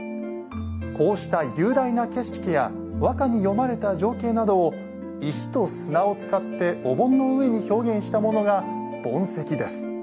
こうした雄大な景色や和歌に詠まれた情景などを石と砂を使ってお盆の上に表現したものが盆石です。